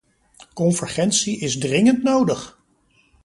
Convergentie is dringend nodig!